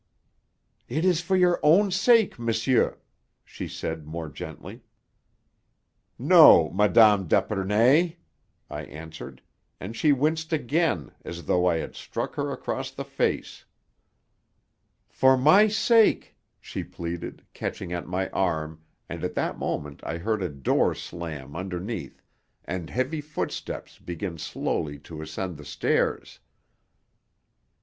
"It is for your own sake, monsieur," she said more gently. "No, Mme. d'Epernay," I answered; and she winced again, as though I had struck her across the face. "For my sake," she pleaded, catching at my arm, and at that moment I heard a door slam underneath and heavy footsteps begin slowly to ascend the stairs.